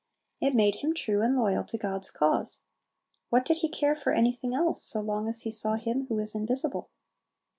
It made him true and loyal to God's cause. What did He care for anything else, so long as he saw "Him who is invisible?"